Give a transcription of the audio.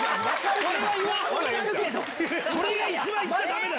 それは一番言っちゃだめだよ。